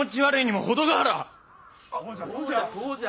そうじゃそうじゃ。